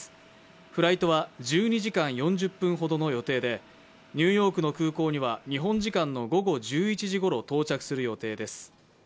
フライトは１２時間４０分ほどの予定でニューヨークの空港には、日本時間の午後１１時ごろ到着する予定です。